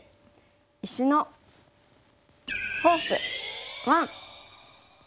「石のフォース１」。